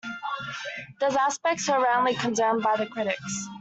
Those aspects were roundly condemned by the critics.